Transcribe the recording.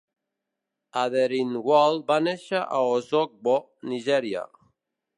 Aderinwale va néixer a Osogbo, Nigèria.